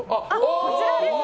こちらですね。